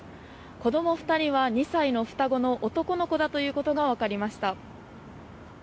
子供２人は２歳の双子の男の子だということが分かりました。